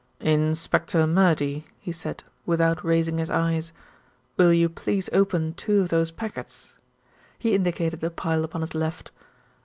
"Inspector Murdy," he said, without raising his eyes, "will you please open two of those packets?" He indicated the pile upon his left.